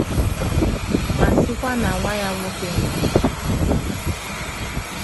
ma sịkwa na nwa ya nwoke nwụrụ anwụ